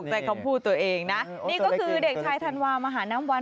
ใช้คำพูดตัวเองนะนี่ก็คือเด็กชายธันวามหาน้ำวัน